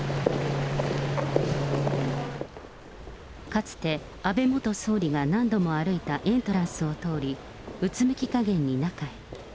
かつて、安倍元総理が何度も歩いたエントランスを通り、うつむき加減に中へ。